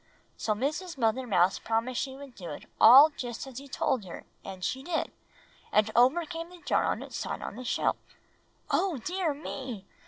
So Mrs. Mother Mouse promised she would do it all just as he told her, and she did. And over came the jar on its side on the shelf!" "Oh, dear me!"